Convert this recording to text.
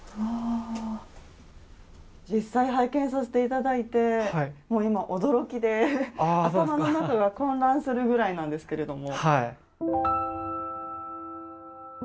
実際拝見させていただいて、今驚きで頭の中が混乱するぐらいなんですけれども。